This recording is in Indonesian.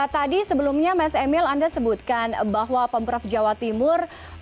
tadi sebelumnya mas emil anda sebutkan bahwa pemprov jawa timur